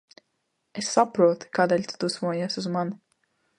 Es saprotu, kādēļ tu dusmojies uz mani.